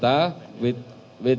denpasar dengan pelan kejadian